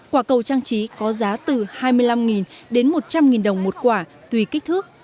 quả cầu trang trí có giá từ hai mươi năm đến một trăm linh đồng một quả tùy kích thước